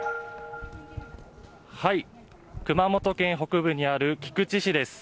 熊本県北部にある菊池市です。